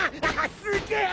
すげえ！